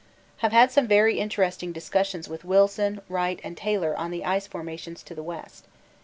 Have had some very interesting discussions with Wilson, Wright, and Taylor on the ice formations to the west.